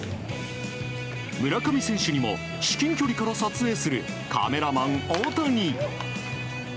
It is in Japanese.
村上選手にも至近距離から撮影するカメラマン大谷。